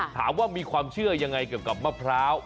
ถามว่ามีความเชื่อยังไงเกี่ยวกับมะพร้าว